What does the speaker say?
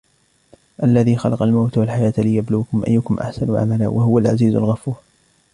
الَّذِي خَلَقَ الْمَوْتَ وَالْحَيَاةَ لِيَبْلُوَكُمْ أَيُّكُمْ أَحْسَنُ عَمَلًا وَهُوَ الْعَزِيزُ الْغَفُورُ